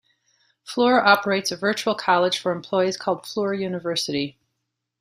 Fluor operates a virtual college for employees called Fluor University.